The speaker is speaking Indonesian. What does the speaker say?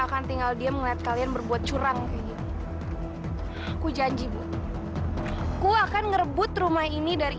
akan tinggal dia melihat kalian berbuat curang aku janji bu ku akan ngerebut rumah ini dari